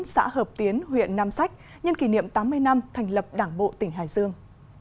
xã hợp tiến huyện nam sách nhân kỷ niệm tám mươi năm thành lập đảng bộ tỉnh hải dương